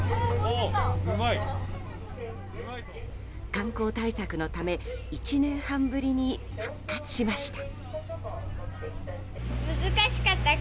観光対策のため１年半ぶりに復活しました。